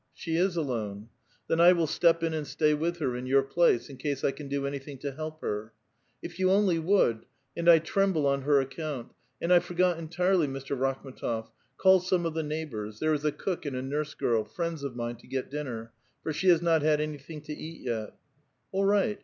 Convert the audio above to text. " She is alone." '* Then 1 will step in and stay with her, in your place, in case I can do anything to help her." " If you only would ; and 1 tremble on her account. And I forgot entirely, Mr. Rakhm^tof ; call some of the neigh bors. There is a cook and a nurse girl, friends of mine, to get dinner ; for she has not had anything to eat 3*et." "All right!